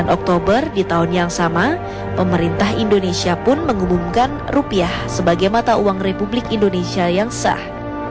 sembilan oktober di tahun yang sama pemerintah indonesia pun mengumumkan rupiah sebagai mata uang republik indonesia yang sah